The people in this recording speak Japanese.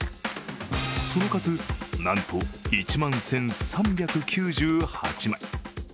その数、なんと１万１３９８枚。